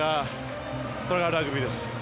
それがラグビーです。